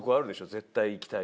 絶対行きたい。